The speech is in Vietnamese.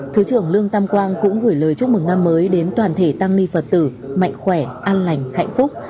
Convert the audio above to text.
thứ trưởng lương tam quang cũng gửi lời chúc mừng năm mới đến toàn thể tăng ni phật tử mạnh khỏe an lành hạnh phúc